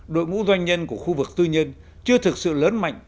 đội ngũ doanh nhân của khu vực tư nhân chưa thực sự lớn mạnh